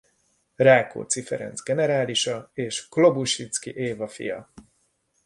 Rákóczi Ferenc generálisa és Klobusiczky Éva fia.